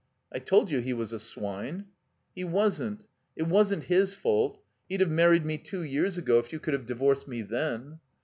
"I told you he was a swine." "He wasn't. It wasn't his fault. He'd have married me two years ago if you could have divorced me then."